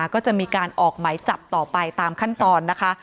ก็จะมีการออกไหมจับต่อไปตามขั้นตอนนะคะ